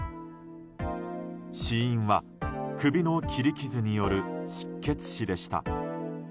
死因は首の切り傷による失血死でした。